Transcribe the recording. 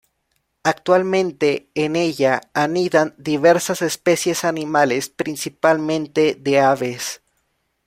Actualmente en ella anidan diversas especies animales, principalmente de aves.